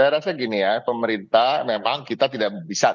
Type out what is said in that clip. saya rasa gini ya pemerintah memang kita tidak bisa